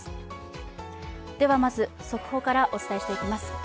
ではまず、速報からお伝えしていきます。